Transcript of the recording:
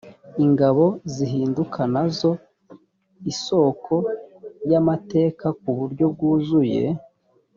ingabo zihinduka na zo isoko y amateka ku buryo bwuzuye